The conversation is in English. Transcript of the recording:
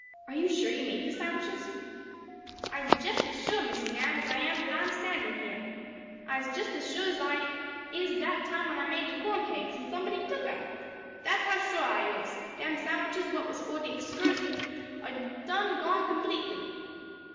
Are you sure you made the sandwiches?" "I'se jest as shuah, Missie Nan, as I am dat I'se standin' heah. I'se jest as shuah as I is dat time when I made de corn cakes, an' somebody tuck dem! Dat's how shuah I is! Dem sandwiches what was fo' de excursnick am done gone completely."